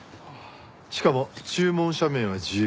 しかも注文者名は自由。